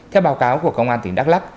theo báo cáo của công an tỉnh đắk lắc